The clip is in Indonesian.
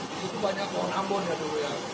itu banyak pohon ambon ya dulu ya